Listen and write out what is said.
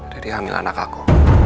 jadi hamil anak aku